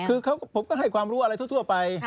คือผมก็ให้ความรู้อะไรทั่วไป